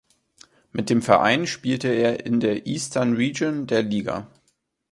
Mit dem Verein spielt er in der Eastern Region der Liga.